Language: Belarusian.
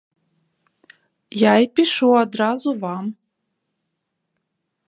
Я і пішу адразу вам.